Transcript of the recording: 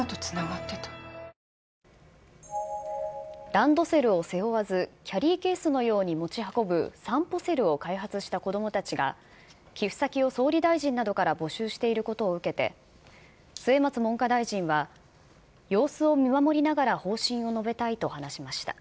ランドセルを背負わず、キャリーケースのように持ち運ぶ、さんぽセルを開発した子どもたちが、寄付先を総理大臣などから募集していることを受けて、末松文科大臣は様子を見守りながら方針を述べたいと話しました。